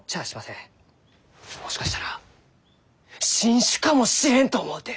もしかしたら新種かもしれんと思うて！